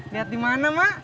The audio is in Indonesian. liat dimana mak